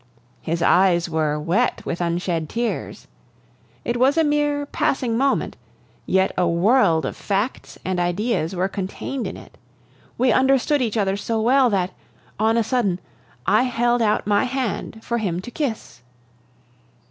His eyes were wet with unshed tears. It was a mere passing moment, yet a world of facts and ideas were contained in it. We understood each other so well that, on a sudden, I held out my hand for him to kiss.